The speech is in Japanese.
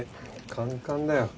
カンカンだよ。